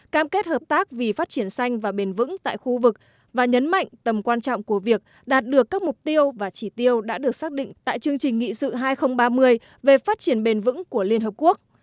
cam kết hợp tác vì phát triển xanh và bền vững tại khu vực và nhấn mạnh tầm quan trọng của việc đạt được các mục tiêu và chỉ tiêu đã được xác định tại chương trình nghị sự hai nghìn ba mươi về phát triển bền vững của liên hợp quốc